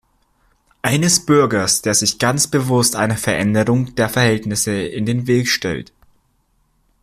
Eines Bürgers, der sich ganz bewusst einer Veränderung der Verhältnisse in den Weg stellt.